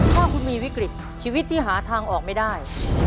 ถ้าคุณมีวิกฤตชีวิตที่หาทางออกไม่ได้